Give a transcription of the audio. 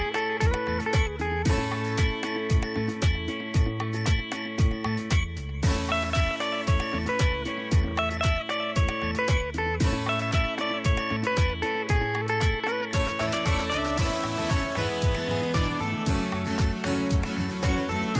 โปรดติดตามตอนต่อไป